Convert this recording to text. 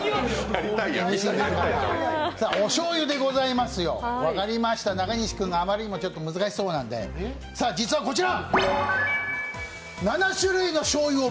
おしょうゆでございますよ、分かりました、中西君があまりにも難しそうなんで、こちら。